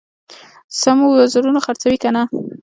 سمو وزنونو خرڅوي کنه.